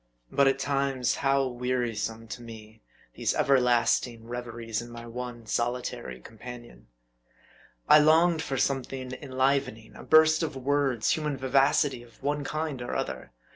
But at times how wearisome to me these everlasting rev M A R D I. 51 eries in my one solitary companion. I longed for something enlivening ; a burst of words ; human vivacity of one kind or other.